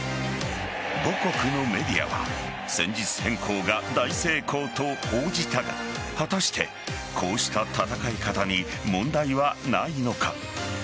母国のメディアは戦術変更が大成功と報じたが果たしてこうした戦い方に問題はないのか。